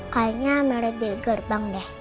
kayaknya merek di gerbang deh